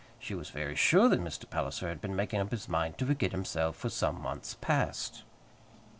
She was very sure that Mr. Palliser had been making up his mind to forget himself for some months past.